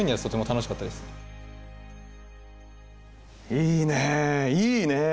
いいねいいねえ。